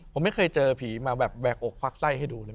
ผมไม่เคยเจอผีมาแบบแบกอกควักไส้ให้ดูเลย